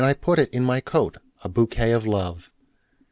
put it in my coat,A bouquet of Love!